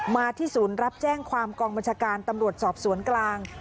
มาที่ศูนย์รับแจ้งความกองบัญชาการตำรวจสอบสวนกลาง